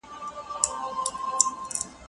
دا بازار له هغه ښه دی!.